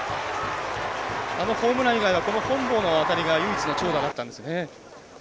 あのホームラン以外は本坊の当たりが唯一の長打だったんですね。